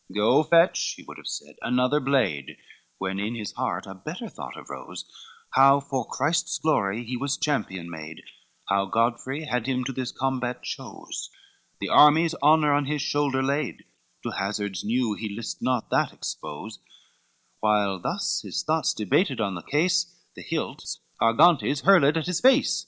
XCV "Go fetch," he would have said, "another blade," When in his heart a better thought arose, How for Christ's glory he was champion made, How Godfrey had him to this combat chose, The army's honor on his shoulder laid To hazards new he list not that expose; While thus his thoughts debated on the case, The hilts Argantes hurled at his face.